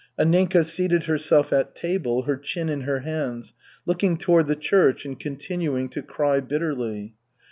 Anninka seated herself at table, her chin in her hands, looking toward the church and continuing to cry bitterly.